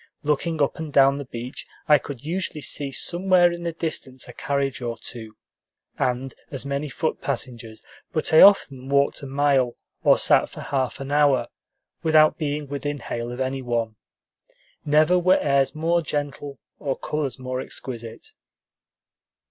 Looking up and down the beach, I could usually see somewhere in the distance a carriage or two, and as many foot passengers; but I often walked a mile, or sat for half an hour, without being within hail of any one. Never were airs more gentle or colors more exquisite.